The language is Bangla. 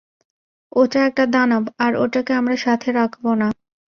ওটা একটা দানব আর ওটাকে আমরা সাথে রাখব না।